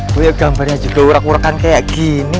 itu ya gambarnya juga urak urakan kayak gini